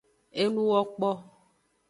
Enuwokpo.